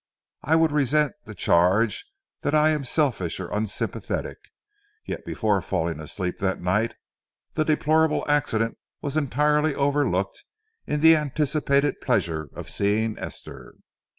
I would resent the charge that I am selfish or unsympathetic, yet before falling asleep that night the deplorable accident was entirely overlooked in the anticipated pleasure of seeing Esther.